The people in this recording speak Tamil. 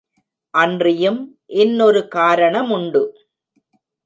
அன்றியும் இன்னொரு காரணமுண்டு.